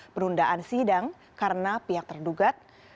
penundaan sidang karena pihak terdugat